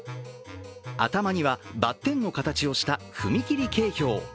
頭にはバッテンの形をした踏切警標。